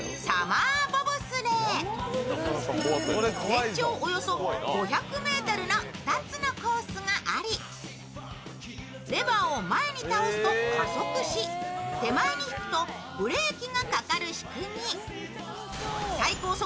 全長およそ５００ｍの２つのコースがあり、レバーを前に倒すと加速し手前に引くとブレーキがかかる仕組み。